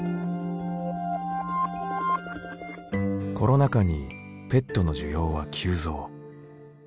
コロナ禍にペットの需要は急増。